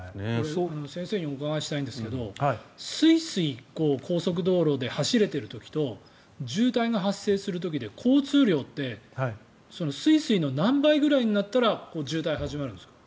先生にお伺いしたいんですがスイスイ高速道路で走れている時と渋滞が発生する時で、交通量ってスイスイの何倍ぐらいになったら渋滞が始まるんですか？